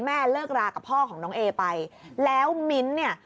เลิกรากับพ่อของน้องเอไปแล้วมิ้นท์เนี่ย